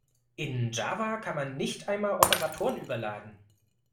In Java kann man nicht einmal Operatoren überladen.